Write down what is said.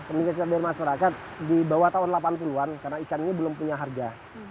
mendengar cerita dari masyarakat di bawah tahun delapan puluh an karena ikannya belum punya harga